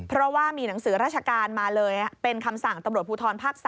เพราะว่ามีหนังสือราชการมาเลยเป็นคำสั่งตำรวจภูทรภาค๓